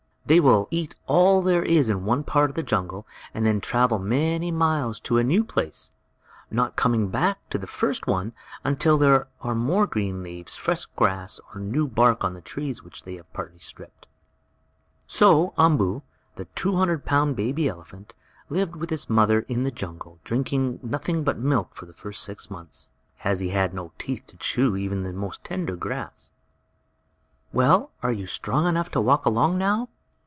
They will eat all there is in one part of the jungle, and then travel many miles to a new place, not coming back to the first one until there are more green leaves, fresh grass, or new bark on the trees which they have partly stripped. So Umboo, the two hundred pound baby elephant, lived with his mother in the jungle, drinking nothing but milk for the first six months, as he had no teeth to chew even the most tender grass. "Well, are you strong enough to walk along now?"